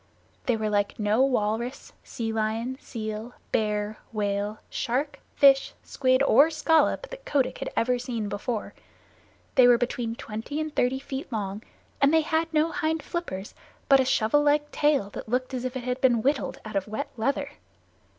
They were like no walrus, sea lion, seal, bear, whale, shark, fish, squid, or scallop that Kotick had ever seen before. They were between twenty and thirty feet long, and they had no hind flippers, but a shovel like tail that looked as if it had been whittled out of wet leather.